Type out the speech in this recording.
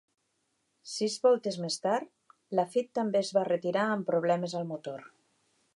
Sis voltes més tard, Laffite també es va retirar amb problemes al motor.